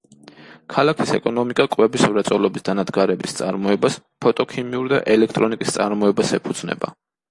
ქალაქის ეკონომიკა კვების მრეწველობის დანადგარების წარმოებას, ფოტოქიმიურ და ელექტრონიკის წარმოებას ეფუძნება.